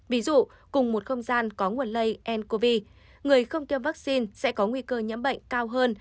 ví dụ cùng một không gian có nguồn lây ncov người không tiêm vaccine sẽ có nguy cơ nhiễm bệnh cao hơn